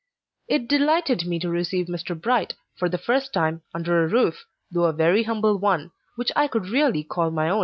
It delighted me to receive Mr. Bright, for the first time, under a roof, though a very humble one, which I could really call my own.